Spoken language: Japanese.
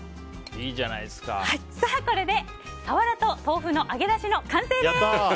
これでサワラと豆腐の揚げだしの完成です！